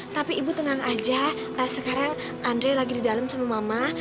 tapi ibu tenang aja sekarang andre lagi di dalam sama mama